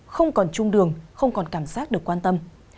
không còn trung đường không còn cảm giác được quan tâm